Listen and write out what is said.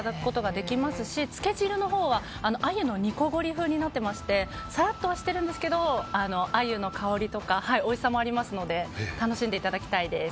つけ汁のほうは鮎の煮こごり風になっていましてさらっとしてるんですけど鮎の香りとかおいしさもありますので楽しんでいただきたいです。